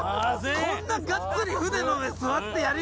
こんながっつり船の上座ってやります？